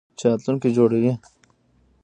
چې راتلونکی جوړوي.